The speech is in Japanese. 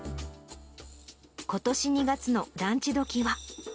ことし２月のランチどきは。